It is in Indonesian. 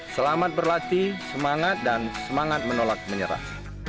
selamat berlatih semangat dan semangat menolak menyerah